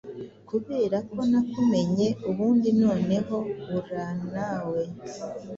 Kuberako nakumenye ubundi noneho uraa nawe